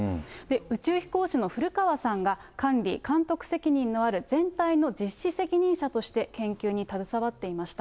宇宙飛行士の古川さんが管理、監督責任のある全体の実施責任者として研究に携わっていました。